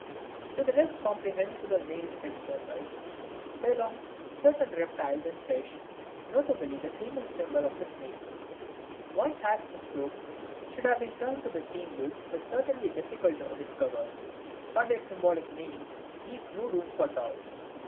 To the less comprehensible male sex symbols belong certain reptiles and fish, notably the famous symbol of the snake. Why hats and cloaks should have been turned to the same use is certainly difficult to discover, but their symbolic meaning leaves no room for doubt.